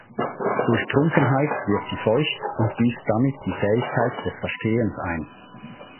Durch Trunkenheit wird sie feucht und büßt damit die Fähigkeit des Verstehens ein.